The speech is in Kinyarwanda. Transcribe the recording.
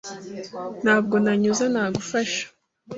Ntabwo nanyuze ntagufasha.